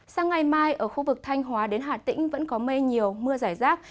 sáng ngày mai ở khu vực thanh hóa đến hà tĩnh vẫn có mê nhiều mưa giải rác